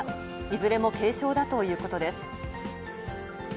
いずれも軽傷だということです。